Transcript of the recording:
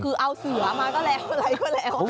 คือเอาเสือมาก็แล้วอะไรก็แล้ว